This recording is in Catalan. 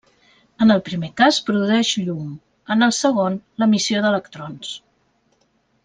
En el primer cas produeix llum, en el segon l'emissió d'electrons.